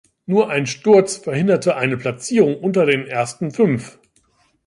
Nur ein Sturz verhinderte eine Platzierung unter den ersten Fünf.